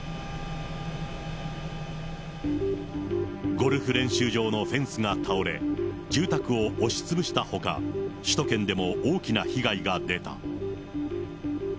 ゴルフ練習場のフェンスが倒れ、住宅を押しつぶしたほか、首都圏でも大きな被害が出た。